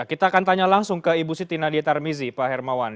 kita akan tanya langsung ke ibu siti nadia tarmizi pak hermawan